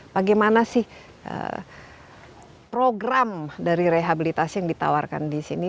bagaimana sih program dari rehabilitasi yang ditawarkan di sini